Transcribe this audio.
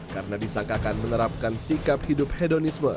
karena disangkakan menerapkan sikap hidup hedonisme